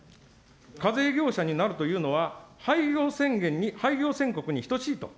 課税業者になるというのは、廃業宣言に、廃業宣告に等しいと。